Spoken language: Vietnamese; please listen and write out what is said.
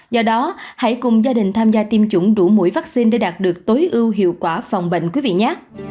do đó hãy cùng gia đình tham gia tiêm chủng đủ mũi vaccine để đạt được tối ưu hiệu quả phòng bệnh